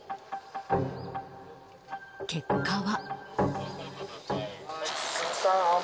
結果は。